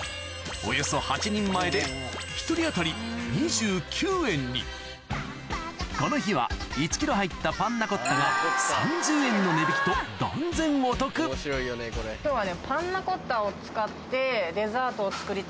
およそ８人前でこの日は１ｋｇ入ったパンナコッタが３０円の値引きと断然お得今日はね。